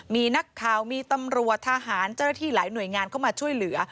มีนักข่าวมีตำรวจทหารเจ้าหน้าที่หลายหน่วยงานเข้ามาช่วยเหลือ